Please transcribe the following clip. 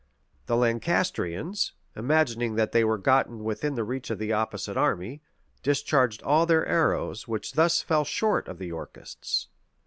The Lancastrians, imagining that they were gotten within reach of the opposite army, discharged all their arrows, which thus fell short of the Yorkists.